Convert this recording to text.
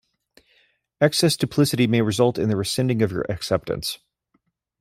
Excess duplicity may result in the rescinding of your acceptance.